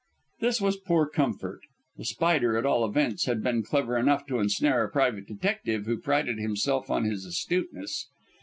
This was poor comfort. The Spider, at all events, had been clever enough to ensnare a private detective who prided himself on his astuteness.